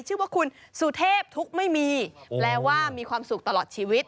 ชื่อว่าคุณสุเทพทุกข์ไม่มีแปลว่ามีความสุขตลอดชีวิต